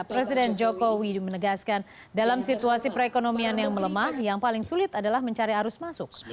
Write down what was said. presiden jokowi menegaskan dalam situasi perekonomian yang melemah yang paling sulit adalah mencari arus masuk